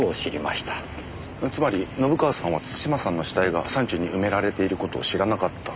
つまり信川さんは津島さんの死体が山中に埋められている事を知らなかった。